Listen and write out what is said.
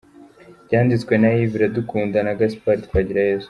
Byanditswe na Yves Iradukunda & Gaspard Twagirayezu.